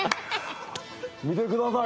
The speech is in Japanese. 見てください。